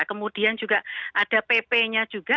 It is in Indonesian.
kemudian juga ada pp nya juga